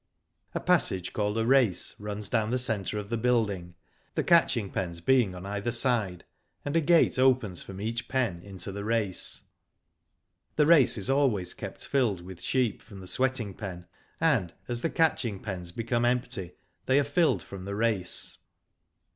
A passage called a race, runs down the centre of the building, the catching pens being on either Digitized byGoogk IN THE SHED. 123 side, and a gate opens from each pen into the race. The race is always kept filled with sheep from the sweating pen, and, as the catching pens be come empty, they are filled from the race.